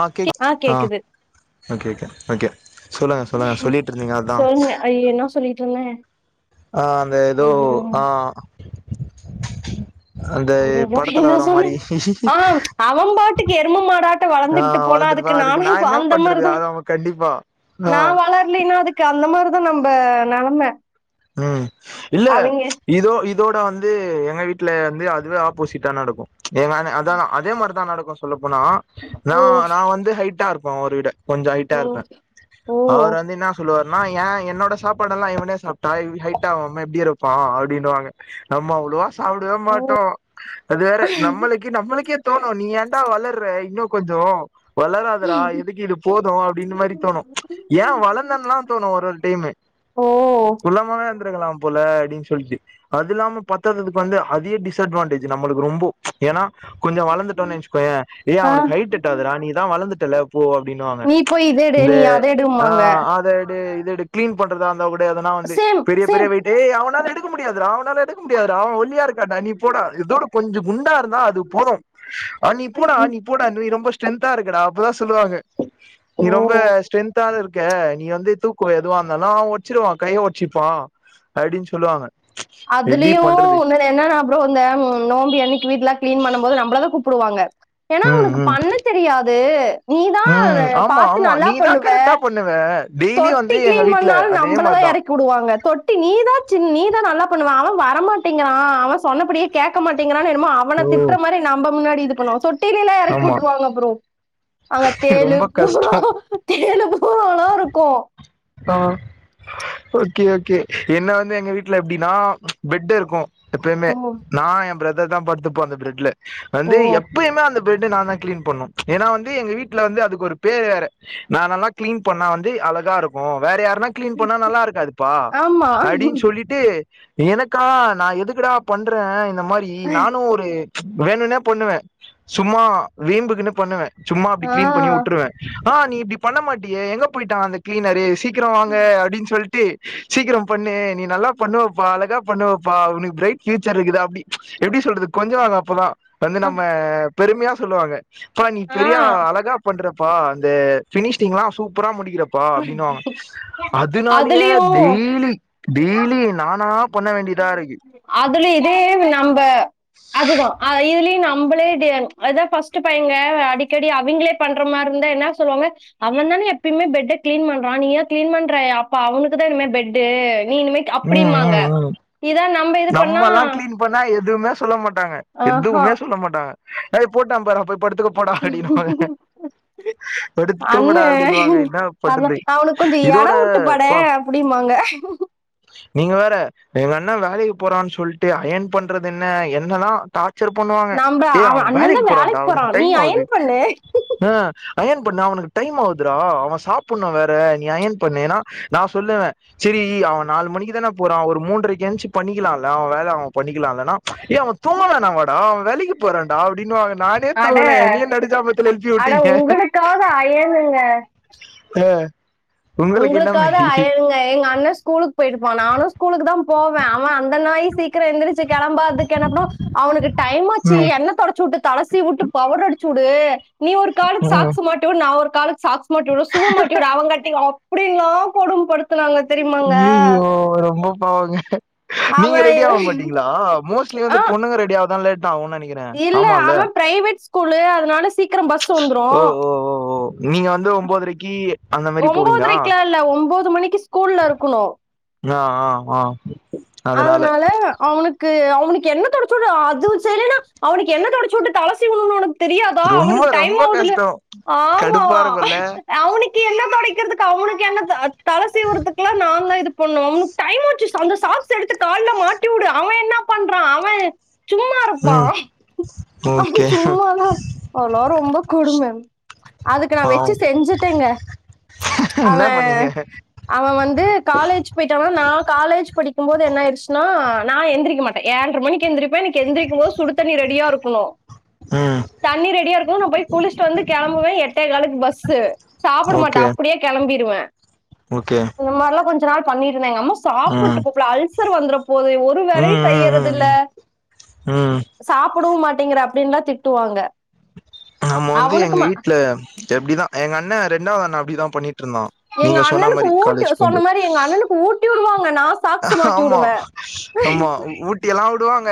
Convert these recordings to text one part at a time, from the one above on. ஆ cake ஆ okay okay okay சொல்லுங்க சொல்லுங்க சொல்லிட்ருந்தீங்க அதா அய்யய்ய என்ன சொல்லிட்ருந்தே ஆ அந்த ஏதோ ஆ அந்த ஐயையோ படத்துல என்ன வர்ற சொன்னே மாரி ஆ அவன் பாட்டுக்கு எரும மாடாட்ட ஆ வளந்துகிட்டு போனா வளந்திருப்ப அதுக்கு நானா நா ப- என்ன அந்த பண்றது மாரிதா அத அவ கண்டிப்பா, ஆ இல்லைன்னா அதுக்கு அந்த மாரிதா நம்ப நெலைம ம் இல்ல இதோ இதோட வந்து எங்க வீட்ல வந்து அதுவே ஆப்போசிட்டா நடக்கு எங்க அண்ண அதாதா அதே மாரிதா நடக்கு சொல்லப்போனா நா ஓ நா வந்து ஹைட்டா இருப்ப அவர விட கொஞ்சோ ஹைட்டா ஓ இருப்பே ஓ அவர் வந்து இன்னா சொல்லுவாருனா ஏ என்னோட சாப்பாடல்லா இவனே சாப் ட்டா ஹைட்டாவாம எப்டி இருப்பா அப்டின்னுவாங்க நம்ம அவ்ளேவா சாப்டவே மாட்டோ அது வேற நம்மளு க்கு நம்மளுக்கே தோணு நீ ஏண்டா வளர்ற இன்னு கொஞ்சோ வளராதடா எதுக்கு இது போது அப்டின்ன மாரி தோணு ஏ வளந்தன்லா தோணு ஒரு ஒரு டைமு ஓ குள்ளமாவே இருந்திருக்லா போல அப்டின்னு சொல்ட்டு அது இல்லாம பத்தாததுக்கு வந்து அதிக டிஸ்அட்வான்டேஜ் நம்ளுக்கு ரொம்போ ஏனா கொஞ்சோ வளந்துட்டோனு வச்சுகோயே ஏ ஆ அவனுக்கு ஹைட் எட்டாதுடா நீதா வளந்துட்டல போ அப்டின்னுவாங்க நீ போய் இது எடு இந்த நீ அத ஆ எடும்பாங்க அத எடு இது எடு கிளீன் பண்றதா இருந்தா கூட எதனா வந்து சேம் பெரிய பெரிய சேம் வெய்ட் ஏ அவனால எடுக் க முடியாதுடா அவனால எடுக்க முடியாதுடா அவ ஒல்லியா இருக்காண்டா நீ போடா இதோட கொஞ்சோ குண்டாருந்தா அது போது அ நீ போடா நீ போடா நீ ரொம்ப ஸ்டென்தா இருக்கடா அப்பதா சொல்லுவாங்க, நீ ரொம்ப ஓ ஸ்டென்த்தாகரு க்க நீ வந்து தூக்குவ எதுவாந்தாலு அவ ஒடச்சிருவா கைய ஒடச்சிப்பா அப்டின்னு சொல்லுவாங்க எப்டி அதுலயு பண்றது ஒண்ணு இப்ப என்னன்னா ப்ரோ இந்த நோம்பி அன்னிக்கி வீட்லா கிளீன் பண்ண போது நம்பளதா கூப்டுவாங்க ஏனா ம் அவனுக்கு ம் பண்ண தெரியாது நீதா ம் ஆமா பாத்து ஆமா நல்லா நீதா பண்ணுவ கரெக்டா பண்ணுவ டெய்லி தொட்டி வந்து எங்க கிளீன் வீட்ல பண்ணாலு அதே நம்பளதா மாரிதா எறக்கி வுடுவாங்க தொட் டி நீ தா சின் நீதா நல்லா பண்ணுவ அவ வரமாட்டேங்கிறா அவ சொன்னபடியே கேக்க மாட்டேங்கிறானு என்னமோ அவன ஓ திட்ற மாரி நம்ம முன்னாடி இது பண்ணுவாங் சொ டி டிலா ஆமா எறக்கிவுட்ருவாங்க அப்பரோ அங்க தேளு ரொம்ப பூரா கஷ்டோ தேளு பூராலா இருக்கு அ ஓகே ஓகே என்ன வந்து எங்க வீட்ல எப்டின்னா பெட் இருக்கு எப்பயுமே ஆமா. நா எ பிரதர் தா படுத்துப்போ அந்த பிரெட்ல ஓ! வந்து எப்பயுமே அந்த பெட்டு நா தா கிளீன் பண்ணு ஏனா வந்து எங்க வீட்ல வந்து அதுக்கு ஒரு பேர் வேற நா நல்லா கிளீன் பண்ணா வந்து அழகாருக் கு வேற யார்னா கிளீன் பண்ணா நல்லாருக்காதுப்பா ஆமா. அப்டின் சொல்லிட் டு எனக்கா நா எதுக்குடா பண்றே இந்த மாரி நானு ஒ வேணுனேப் பண்ணுவ சும்மா வீம்புக்குனு பண்ணுவ சும்மா அப்டி ஆ. க்ளீன் பண்ணி உற்றுவ ஆ நீ இப்டி பண்ண மாட்டியே எங்க போயிட்டா அந்த க்ளீனரு சீக்கரோ வாங்க அப்டின் சொல்ட்டு சீக்கரோ பண்ணு நீ நல்லா பண்ணுவப்பா அழகா பண்ணுவப்பா உனுக்கு ப்ரைட் ஃப்யூச்சருக்குது அப்டி எப்டி சொல்றது கொஞ்சுவாங்க அப்பதா வந்து நம்ம பெரும்மயா சொல்லுவாங்க ப்பா நீ ஆ. பெரியா அழகா பண்றப்பா அந்த ஃபினிஷ்டிங்லா சூப்பரா முடிக்கிறப் பா அப்டின்னுவாங்க அதுனாலியே அதுலயும் டெய்லி டெய்லி நானாப் பண்ண வேண்டிதா இருக்கு அதுல இதேவ் நம்ப அதுதா அ இதுலியு நம்பளே டி அதா ஃபஸ்ட்டு பையங்க அடிக்கடி அவிங்களே பண்ற மார் இருந்தா என்னா சொல்லுவாங்க அவ தான எப்பயுமே பெட்டக் க்ளீன் பண்றா நீயா க்ளீன் பண்ற அப்ப அவனுக்கு தா இன்மே பெட்டு நீ இனிமே ம் அப்டின்னுபாங்க ம் ம் இதா நம் நம்மல்லா க்ளீன் பண்ணா எதுவுமே சொல்ல மாட்டாங்க ஆஹா எதுவுமே சொல்ல மாட்டாங்க ஏய் போட்டா பார்‌ அங்க போய் படுத்துக்கோ படுத்து தூங்குடா அண்ணே அப்டின்னுவாங்க என்ன அதா பண்றது அவனுக்கு கொஞ்சோ எடோ இதோட வுட்டு படே ப்பா அப்டிம்பாங்க நீங்க வேற எங்க அண்ண வேலைக்கு போறான் சொல்ட்டு அயன் பண்றதென்ன என்ன தா டா ர்ச்சர் பண்ணுவாங்க நம்ப டே அவ அவே அண்ண தா வேலைக்கு போறான்டா போறா அவனுக்கு நீ டைம் ஆவுது அயன் பண்ணு அ அயன் பண்ணு அவனுக்கு டைம் ஆவ்துரா அவ சாப்புட்ணு வேற நீ அயன் பண்ணேன்னா நா சொல்லுவ செரி அவ நாலு மணிக்கு தான போறா ஒரு மூன்ரைக் ஏன்ச்சிப் பண்ணிக்கலால்ல அவ வேல அவ பண்ணிக்கலா இல்லன்னா ஏ அவ தூங்க வேணாவாடா அவ் வேலைக்கு போறான்டா அப்டின்வாங்க நானே அட தூங்கல என்னயே நடுஜாமத்துல எழுப்பியூட்டீங்க எனுக்காக அயனுங்க அ உங்களுக்காது அயனுங்க எங்க அண்ண ஸ்கூலுக் போயிருப்பா நானு ஸ்கூலுக்கு தா போவே அவ அந்த நாய் சீக்கரோ எழுந்துரிச்சி கெளம்பாதுக் கெளப்பனு அவனுக்கு டைம்மாச்சி எண்ண தொடச்சூட்டு தலசீவூட்டு பவ்ட்ரு அடிச்சூடு நீ ஒரு காலுக் சாக்ஸ்ஸு மாட்டி உடு நா ஒரு காலுக் சாக்ஸ் மாட்டி உடு சூவ மாட்டி உடு அவங்கட்டிக்கு அப்புடில்லா கொடும்படுத்துனாங்க தெரியும் ஐயையோ ரொம்ப பாவங்க நீங்க ரெடி ஆவ அவன் மாட்டிங்களா மோஸ்ட்லி வந்து ஆஹ் பொண்ணுங்க ரெடி ஆவதா லேட் ஆவுன் நெனைக்கிற இல்ல அவன் ப்ரைவேட் ஸ்கூலு அதனால சீக்கரோ பஸ் வந்துரு ஓ ஓ ஓ ஓ நீங்க வந்து ஒம்போதுரைக்கி ஒம்போதரைக்லா இல்ல ஒம்போது மணிக்கு ஸ்கூல்ல இருக்குனு நா ஆ ஆ அதனால அவுனுக்கு அவுனுக்கு என்ன தொடச்சு உடு அதுவு செய்லேனா அவ்னிக் என்ன தொடச்சு உட்டு தலசீவுணு நா அவ்னக் தெரியாதா ரொம்ப அவுனுக் டைம் ரொம்ப ஆவுதுல கஷ்டம் ஆமா கடுப்பா இருக்குல்ல அவுனுக்கு எ எண்ண தொடைக்றதுக்கு அவ்னுக் என்ன தல சீவ்றதுக்லா நான் தா இது பண்ணோ அவ்னுக் டைமாச்சு சா அந்த சாக்ஸ் ஸ எடுத்து கால்ல மாட்டி உடு அவன் என்ன பண்றான் அவன் ம் சும்மாருப்பான் ஓகே அவன் சும்மாதா அதளா ரொம்பக் கொடும அதுக்கு நா வெச்சு செஞ்சுட்டேங்க அவன் இன்னப் பண்ணிங்க அவன் வந்து காலேஜ் போய்ட்டான்னா நா காலேஜ் படிக் கும் போது என்ன ஆய்ட்ச்னா நா எந்துரிக்க மாட்ட ஏழ்ர மணிக்கி எந்துரிப்பேன் எனக் எந்திரிக்கும் போது சுடு தண்ணி ரெடியாருக்குணோ ம் தண்ணி ரெடியாருக்கும் நா போய் குளிச்ட்டு வந்து கெளம்புவே எட்டே காலுக்கு பஸ்ஸு சாப்புட மாட்டே ஓகே அப்டியே கெளம்பிடுவே ஓகே இந்த மாரிலா கொஞ்ச நாள் பண்ணிருந்த எங்கம்மா சாப்புட் ம் அல்சர் வந்துற போது ஒரு வேலயு ம் ம் செய்யறது இல்ல ம் ம் சாப்புடவு மாட்டேங்குறா அப்டின்னுலா திட்டுவாங்க நம்ம வந்து எங்க அவனுக்குமா வீட்ல எப்டிதா எங்க அண்ண ரெண்டாவது அண்ண அப்டிதா பண்ணிட்டு இருந்தா எங்க நீங்க சொன்ன அண்ணனுக்கு மாரி ஊட்டி காலேஜ் சொன்ன போம்போது மாதிரி எங்க அண்ணனுக்கு ஊட்டி விடுவாங்க நான் சாக்ஸ் மாட்டி ஆமா விடுவேன் ஆமா ஊட்டியல்லா விடுவாங்க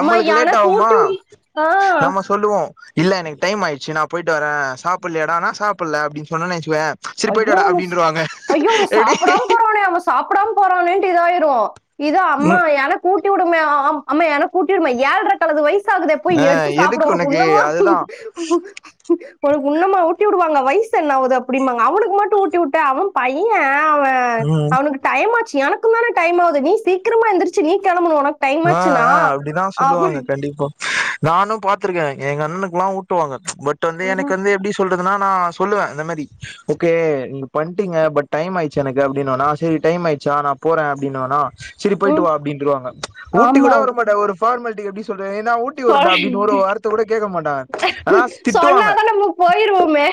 அம்மா லேட் எனக்கு ஆவுமா ஊட்டி விடு ஆஹ் நம்ம சொல்லுவோ இல்ல எனக்கு டைம் ஆய்ச்சு நா போய்ட்டு வர சாப்புல்லயாடா னா சாப்பல்ல அப்டினு சொன்ன வச்சிகோய அய்யோஸ் அய்யோ அவ சாப்புடாம எப்டி போறானே சாப்புடாம போறானேட்டு இதாயிரு இதா அம்மா எனக் ஊட்டி விடுமே அம்ம எனக்கு ஊட்டி விடும ஏல்ற கழுத வயசாகுதே போய் ஆ எடுத்து எதுக்கு சாப்புடுவ உனக்கு உன்னமா அதுதான் உனக்கு உண்ணமா ஊட்டி உடுவாங்க வயசு என்ன ஆவுது அப்டிம்பாங்க அவனுக்கு மட்டு ஊட்டி உட்ட அவ பைய அவ அ ம் அவனுக்கு டைம் ஆச்சு எனக்கு தானே டைம் ஆகுது நீ சீக்கிரமா எந்திரச்சு நீ கெளம்பணு உனக் ஆ ஆ அப்டிதா சொல்லுவாங்க கண்டிப்பா நானு பாத்துருக்க எங்க அண்ணனுக்குல்லா ஊட்டுவாங்க பட் வந்து எனக் வந்து எப்டி சொல்றதுனா நா சொல்லுவன் இந்த மாரி ஓகே நீங்க பண்ட்டிங்க பட் டைம் ஆய்ச்சி எனக்கு அப்டின்னுவானா சேரி டைம் ஆய்ட் ச்சா நா போற அப்டின்னுவனா சேரி போயிட்டு ம் வா அப்டின்றுவாங்க ஊட்டி ஆமா கூட உடமாட்டாங்க ஒரு ஃபார்மால்ட்டிக் எப்டி சொல்றத் ஏன்னா ஊட்டி சொல் உடட்டா அப்டின் ஒரு வார்த்த கூட கேக்க மாட்டாங்க ஆனா ஸ் திட்டுவாங்க சொன்னாதான் நம்ம போயிருவோமே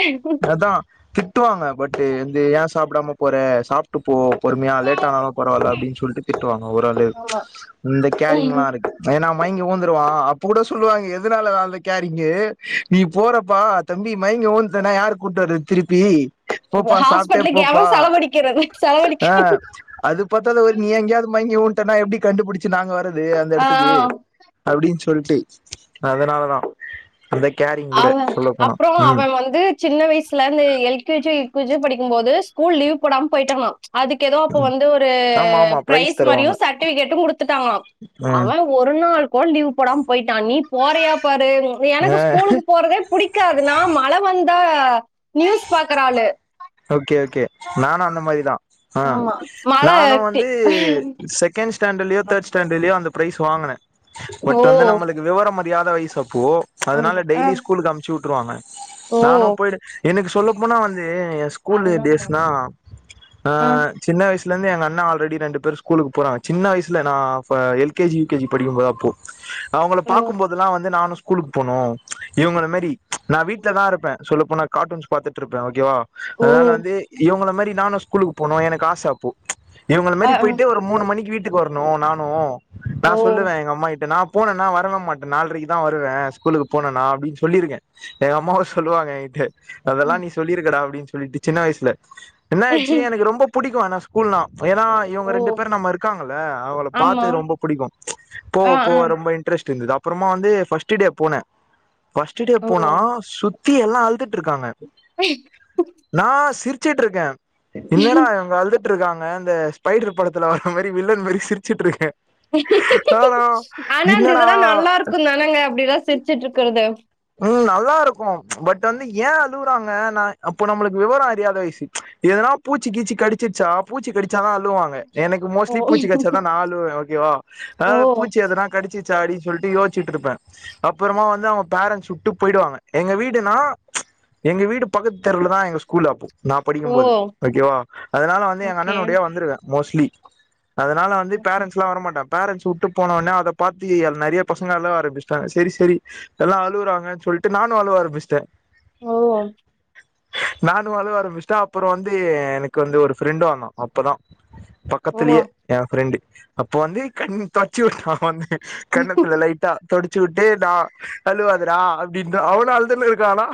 அதான் திட்டுவாங்க பட்டு் வந்து ஏன் சாப்டாம போற சாப் ட்டு போ பொறுமையா லேட் ஆனாலு பரவால்ல அப்டின் சொல்ட்டு திட்டு வாங்க ஓரளவு ஆமா இந்த கேரிங்லா இருக்கு ஏன்னா அவ் மய்ங்கி ஊந்துருவான் அப்ப கூட சொல்லுவாங்க எதுனால அந்த கேரிங்கு நீ போறப்பா தம்பி மயங்கி ஊன்டன்னா யாரு கூட்டு வர்ரது திருப்பி போப்பா சாப்ட்டே ஹாஸ்பிட்டலுக்கு போப்பா எவன் செலவழிக்கிறது செலவழிக்க ஆ அது பத்தாத ஒரு நீ எங்கேயாவது மங்கி ஊன்ட்டன்னா எப்டி கண்டுபுடிச்சு நாங்க வர்ரது அந்த ஆ எடத்துக்கு அப்டின்னு சொல்ட்டு அதனாலதா அந்த கேரிங் கூட அவ சொல்ல போனா அப்றோ அவ ம் வந்து சின்ன வயசுல இருந்த எல் கே ஜி யோ யூ கே ஜி யோ படிக்கும் போது ஸ்கூல் லீவ் போடாம போயிட்டேனா அதுக்கு ஏதோ அப்ப வந்து ஒரு ஆமா ஆமா ப்ரைஸ் மாரியு தருவாங்க சர்ட்டிஃபிகட்டு குடுத்துட்டாங்களா ம் அவன் ஒரு நாள் கோட லீவ் போடாம போயிட்டா நீ போறியா பாரு எனக்கு ஆ ஸ்கூ ல் போறதே புடிக்காது நா மழ வந்தா நியூஸ் பாக்குற ஆளு ஓகே ஓகே நானு அந்த மாரிதா ஆ ஆமா மழ நானு டி வந்து செக் செக்கண்ட் ஸ்டேன்டர்லயோ தேர்ட் ஸ்டேன்டர்லயோ அந்த ப்ரைஸ் வாங்குனே பட் ஓ வந்து நம்மளுக்கு விவரம் அறியாத வயசு அப்போ அதனால ஆ டெய்லி ஸ்கூலுக்கு அம்ச்சு உட்டுருவாங்க ஓ நானு போயிடு எனக்கு சொல்ல போனா வந்து எ கூல் டே அதுதா டேஸ்னா ஆ சின்ன வயசுலருந்து எங்க அண்ண ஆல்ரெடி ரெண்டு பேரு ஸ்கூலுக்கு போறாங்க சின்ன வயச்ல நா அப்ப L K G U K G படிக்குபோது அப்போ அவுங்கள பாக்குபோதுல்லா வந்து நானு ஸ்கூலுக்கு போனு இவுங்கள மாறி நா வீட்ல தா இருப்பே சொல்லப்போனா கார்ட்டூன்ஸ் பாத்துட்டு இருப்பே ஓகேவா ஓ அதனால வந்து இவுங்கள மாறி நானு ஸ்கூலுக்கு போனு எனக்கு ஆச அப்போ இவுங்கள ஆ மாறி ஆ போய்ட்டு ஒரு மூனு மணிக்கு வீட்டுக்கு வரணு நானு நா ஓ சொல்லுவ எங்க அம்மா கிட்ட நா போனேனா வரவே மாட்ட நால்ரைக்கு தா வருவே ஸ்கூலுக்கு போன நா அப்டின்னு சொல்லிருக்கே எங்க அம்மாவு சொல்லுவாங்க இத அதெல்லா ம். நீ சொல்லியிருக்கடா அப்டின்சு சொல்லிட்டு சின்ன வயச்ல என்னாச்சு எனக்கு ரொம்ப புடிக்கு ஆனா ஸ்கூல்னா ஏனா இவுங்க ஓ ரெண்டு பேரு நம்ம இருக்காங்கள்ள அவள ஆமா பாத்து ரொம்ப புடிக்கு போவ ஆ ஆ போவ ரொம்ப இன்ட்ரெஸ்ட் இருந்தது அப் றமா வந்து ஃபர்ஸ்டு டே போனே ஃபர்ஸ்டு டே ஓ போனா சுத்தி எல்லா அழுதுட் இருக்காங்க நா சிரிச்சுட் இருக்கே என்னடா இவுங்க அழுதுட் ருக்காங்க அந்த ஸ்பைடர் படத்துல்ல வர்ற மாறி வில்லன் மாறி சிரிச்சுட் இருக்கே ஆனா ஆனா அந்த என்னடா இதெல்லா நல்லா இருக்கு தானங்க அப்டிலா சிரிச்சுட்டு இருக்குறது ம் நல்லா இருக்கு பட் வந்து ஏ அழுவுறாங்க நா அப்போ நம்மளுக்கு விவரோ அறியாத வயசு எதுனாப் பூச்சி கீச்சி கடிச்சுச்சா பூச்சி கடிச் சா தா அழுவாங்க எனக்கு ஓ மோஸ்ட்லி பூச்சி கடிச்சா தா நா அழுவே ஓகேவா ஓ அதால பூச்சி எதுனா கடிச்சு ச்சா சொல்ட்டு யோச்சுட்டு இருப்பே அப்றமா வந்து அவுங்க பேரண்ட்ஸ் உட்டு போயிடுவாங்க எங்க வீடுனா எங்க வீடு பக்கத்து தெருல தா எங்க ஸ்கூல் அப்போ நா ஓ படிக்குபோது ஓகேவா அதனால வந்து எங்க ஓகே அண்ணனுடயே வந்துருவே மோஸ்ட்லி அதனால வந்து ஓகே பேரண்ட்ஸ்லா வர மாட்டாங் பேரண்ட்ஸ் வுட்டு போனோனே அத பாத்து நெறய பசங்க அழுவ ஆரம்பிச்சிட்டாங்க செரி செரி எல்லா அழுவுறாங் னு சொல்ட்டு நானு அழுவ ஆரம்பிச்சிட்டே ஓ நானு அழுக ஆரம்பிச்சிட்ட அப்றோ வந்து எனக்கு வந்து ஒரு ஃப்ரெண்டு வந்தா அப்பதா பக் ஓ கத்துலயே எ ஃப்ரெண்டு அப்போ வந்து கண்ணு தொட்ச்சு வுட்டா வந்து கன்னத்துல லைட் டா தொடிச்சு வுட்டு நா அழுவாதடா அப்டினா அவனு அழுதுனுருக்கா ஆனா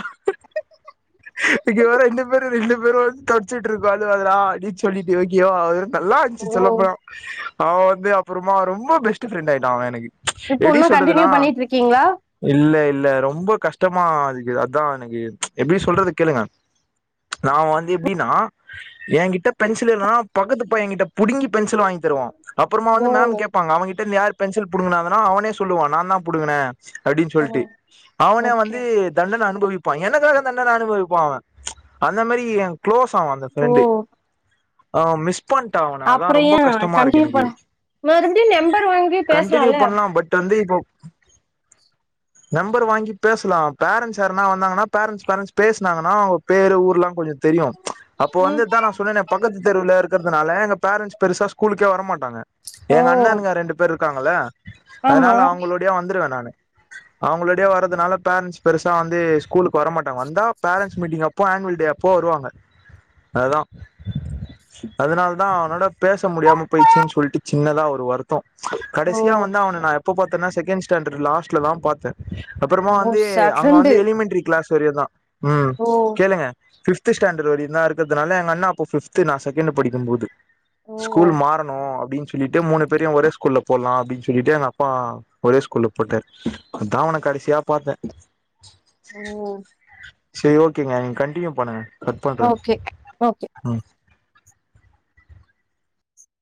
[inaudible] இங்க வேற ரெண்டு பேரு ரெண்டு பேரு வந்து தொச்சிட்டு இருக்கோ அழுவாதடா அப்டின்னு சொல்லிட்டு ஓகேவா நல்லா ஓ இருந்துச்சு சொல்லப்ப அவ வந்து அப்புறமா ரொம்ப பெஸ்ட் ஃப்ரெண்ட் ஆயிட்டா அவே எனக்கு இப்ப எப்டி இன்னு கண்டினியூ சொல்றதுன்னா பண்ணிட்டு இருக்கீங்ளா இல்ல இல்ல ரொம்ப கஷ்டமாதுக்கு அதா எனக்கு எப்டி சொல்றது கேளுங்க நா வந்து எப்டினா ஏ கிட்ட பென்சில் இல்லனா பக்கத்து பையேகிட்ட புடுங்கி பென்சில் வாங்கி தருவா அப்புறமா ஓ வந்து மேம் கேப்பாங்க அவேகிட்டருந்து யாரு பென்சில் புடுங்குனாகனா அவனே சொல்லுவா நா தா புடுங்குனே அப்டின் ஓ சொல்ட்டு அவனே ஓகே வந்து தண்டன அனுபவிப் பா எனக்காக தண்டன அனுபவிப்பா அவே அந்த மாறி எ குளோஸ் ஆவா அந்த ஓ ஃப்ரெண்டு அத அவே மிஸ் பண்ட்டே அவன அதா அப்றோ ரொம்ப ஏ கஷ்டமா இருக்கு கண்டினியூ எனக்கு பண்ண மறுபடியு நம்பர் வாங்கி கண்டினியூ பேசலால்ல பண்லா பட் வந்து இப்போ நம்பர் வாங்கி பேச்லா பேரண்ட்ஸ் யாருனா வந்தாங்கன்னா பேரண்ட்ஸ் பேரண்ட்ஸ் பேசுனாங்கன்னா அவுங்க பேரு ஊர்லா கொஞ்சோ தெரியு அப்ப வந்து ம் இதா நா சொன்னேன பக்கத்து தெருவுல இருக்கறதுனால எங்க பேரண்ட்ஸ் பெருசா ஸ்கூலுக்கே வர மாட்டாங்க ஓ எங்க அண்ணுங்க ரெண்டு பேர் இருக்காங்கள அதனால ஆமா அவங்களுடையே வந்துருவேன் நானு அவங்களுடையே வரதுனால பேரண்ட்ஸ் பெருசா வந்து ஸ்கூலுக்கு வர மாட்டாங்க வந்தா பேரண்ட்ஸ் மீட்டிங் அப் ப்போ ஆன்வள்டே அப்போ வருவாங்க ஆ அததான் அதனால தான் அவனோட பேச முடியாம போயிச்சேன் சொல்ட்டு சின்னதா ஒரு வரு தோ ஓ கடைசியா வந்து அவன நா எப்ப பாத்தன்னா செகண்ட் ஸ்டாண்டர்ட் லாஸ்ட்ல தான் பாத்தேன் அப்புறமா ஓ வந்து ச அங்க ஃப்ரெண்டு வந்து இலிமெண்ட்ரி கிளாஸ் வரைதான் உம் ஓ கேளுங்க பிஃப்த் ஸ்டாண்டர் வரை தான் இருக்கதுனால எங்க அண்ணா அப்ப பிஃப்து நான் செகண்ட் படிக்கும் போது ஓ ஸ்கூல் மாறணும் அப்டின் சொலிட்டு மூணு பேரையும் ஒரே ஸ்கூல்ல போடலாம் அப்படின்னு சொல்லிட்டு எங்க அப்பா ஒரே ஸ்கூல்ல போட்டாரு அப்போ தான் கடைசியா பாத்தேன் ஓ சேர் ஓகேங்க நீங்க கண்டினியூ பண்ணுங்க கட் பண்ற ஓகே ஓ ம்